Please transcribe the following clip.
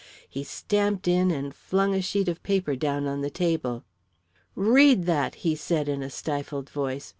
He stamped in and flung a sheet of paper down on the table. "'Read that!' he said, in a stifled voice.